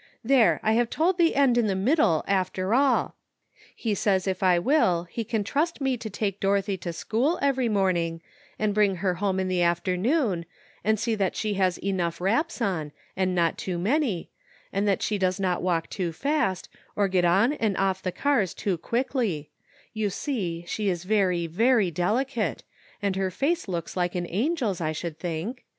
There, I have told the end in the middle, after all. He says if I will he can trust me to take Dorothy to school every morning, and bring her home in the afternoon, and see that 186 THE UNEXPECTED HAPPENS. she has enough wraps on, and not too many, and that she does not walk too fast, nor get on and off the cars too quickly ; you see she is very, ver}' delicate, and her face looks like an angel's, I should think.